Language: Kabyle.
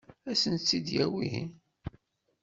Ad sent-tt-id-yawi?